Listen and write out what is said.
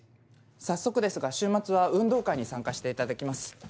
早速ですが週末は運動会に参加していただきます。